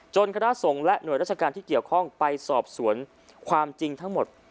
คณะสงฆ์และหน่วยราชการที่เกี่ยวข้องไปสอบสวนความจริงทั้งหมด